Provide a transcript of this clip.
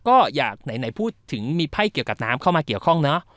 ก็อยากไหนพูดถึงมีไพ่เกี่ยวกับน้ำเข้ามาเกี่ยวข้องเนอะ